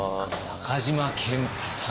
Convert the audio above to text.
中島健太さん。